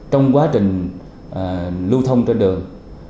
trong quá trình lưu thông trên đường